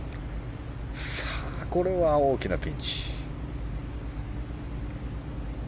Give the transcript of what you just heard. さあ、これは大きなピンチ。